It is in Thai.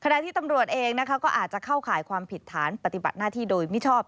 ที่ตำรวจเองก็อาจจะเข้าข่ายความผิดฐานปฏิบัติหน้าที่โดยมิชอบ